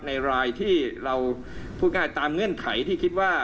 ในรายที่เราพูดง่ายตามเงื่อนไขที่คิดว่า